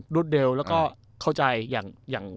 รวดเร็วแล้วก็เข้าใจอย่าง